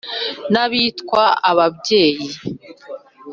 N'abitwa ababyeyi.